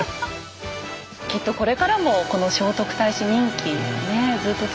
きっとこれからもこの聖徳太子人気ねずっと続いてくんでしょうね。